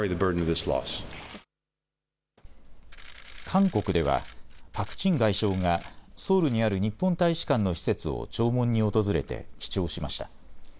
韓国ではパク・チン外相がソウルにある日本大使館の施設を弔問に訪れて記帳しました。